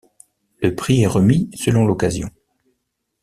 Le prix est remis selon l'occasion.